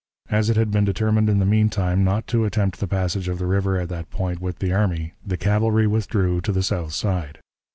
As it had been determined in the mean time not to attempt the passage of the river at that point with the army, the cavalry withdrew to the south side.